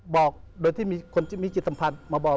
บอกโดยที่มีคนที่มีจิตสัมพันธ์มาบอก